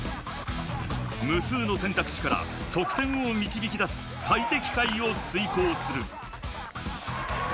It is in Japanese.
無数の選択肢から得点を導き出す最適解を推考する。